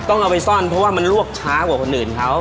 ต้องเอาไปซ่อนเพราะว่ามันลวกช้ากว่าคนอื่นเขา